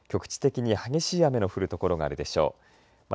局地的に激しい雨の降る所があるでしょう。